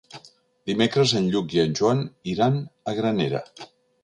Dimecres en Lluc i en Joan iran a Granera.